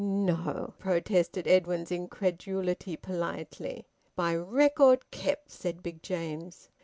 "No!" protested Edwin's incredulity politely. "By record kept," said Big James.